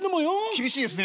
「厳しいですね」。